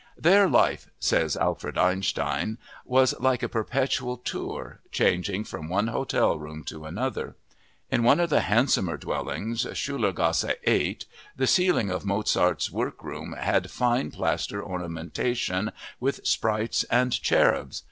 _"Their life," says Alfred Einstein, "was like a perpetual tour, changing from one hotel room to another.... In one of the handsomer dwellings, Schulergasse 8, the ceiling of Mozart's workroom had fine plaster ornamentation with sprites and cherubs.